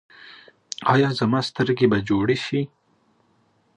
ایا زما سترګې به جوړې شي؟